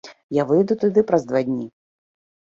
Я выеду туды праз два дні.